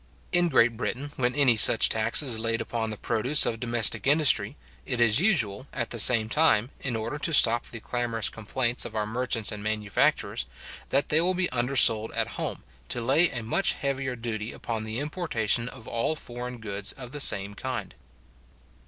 In Great Britain, when any such tax is laid upon the produce of domestic industry, it is usual, at the same time, in order to stop the clamorous complaints of our merchants and manufacturers, that they will be undersold at home, to lay a much heavier duty upon the importation of all foreign goods of the same kind.